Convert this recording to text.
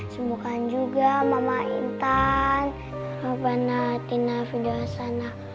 sembuhkan juga mama intan